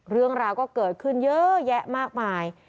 เรื่องราวก็เกิดขึ้นเยอะแยะมากมาย